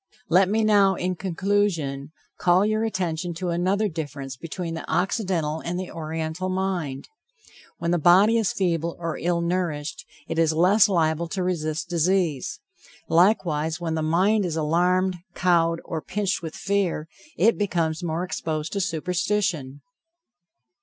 Let me now, in conclusion, call your attention to another difference between the Occidental and the Oriental mind. When the body is feeble or ill nourished, it is less liable to resist disease; likewise when the mind is alarmed, cowed, or pinched with fear, it becomes more exposed to superstition.